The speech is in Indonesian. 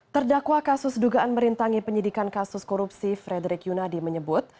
terdakwa kasus dugaan merintangi penyidikan kasus korupsi frederick yunadi menyebut